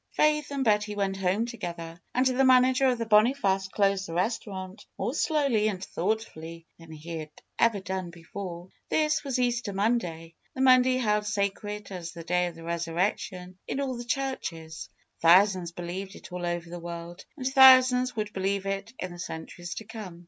Faith and Betty went home together. And the man ager of the Boniface closed the restaurant more slowly and thoughtfully than he had ever done before. This was Easter Monday. The Monday held sacred as the day of the Eesurrection in all the churches. Thousands believed it all over the world. And thou sands would believe it in the centuries to come.